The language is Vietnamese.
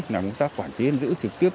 làm công tác quản chiến giữ trực tiếp